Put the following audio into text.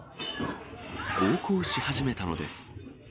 暴行し始めたのです。